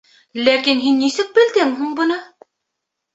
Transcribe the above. Ләкин һин нисек белдең һуң быны?